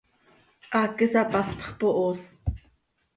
Haac isapaspx pohos.